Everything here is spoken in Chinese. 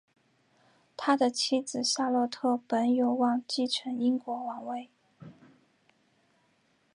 他的妻子夏洛特本有望继承英国王位。